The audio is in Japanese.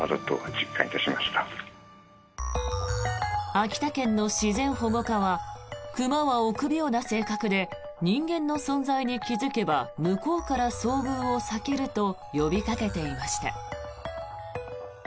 秋田県の自然保護課は熊は臆病な性格で人間の存在に気付けば向こうから遭遇を避けると呼びかけていました。